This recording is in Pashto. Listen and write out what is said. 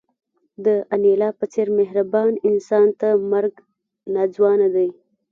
د انیلا په څېر مهربان انسان ته مرګ ناځوانه دی